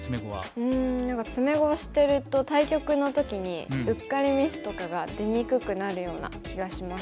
うん何か詰碁をしてると対局の時にうっかりミスとかが出にくくなるような気がします。